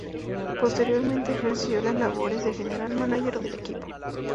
Posteriormente ejerció las labores de general manager del equipo.